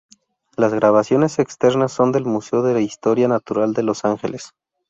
Las grabaciones externas son del Museo de Historia Natural de Los Ángeles.